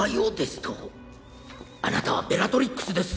あなたはベラトリックスです